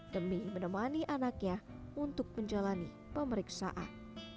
demi menemani anaknya untuk menjalani pemeriksaan